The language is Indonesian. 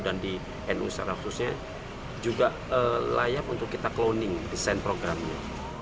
dan di nu secara khususnya juga layak untuk kita cloning desain programnya